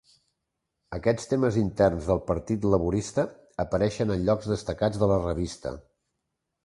Aquests temes interns del partit laborista apareixien en llocs destacats de la revista.